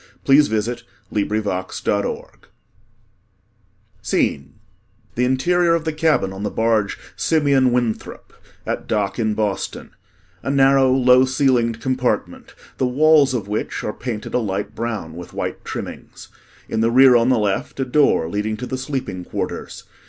[The Curtain Falls] ACT III SCENE The interior of the cabin on the barge, "Simeon Winthrop" (at dock in Boston) a narrow, low ceilinged compartment the walls of which are painted a light brown with white trimmings. In the rear on the left, a door leading to the sleeping quarters.